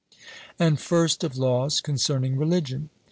And first of laws concerning religion.